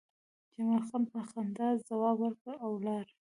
جمال خان په خندا ځواب ورکړ او لاړ